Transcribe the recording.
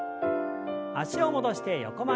脚を戻して横曲げです。